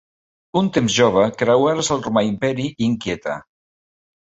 Un temps jove, creuares el romà imperi inquieta.